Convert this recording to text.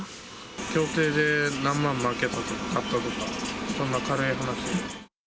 競艇で何万負けたとか勝ったとか、そんな金の話。